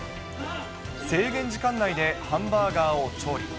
制限時間内でハンバーガーを調理。